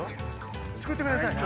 作ってください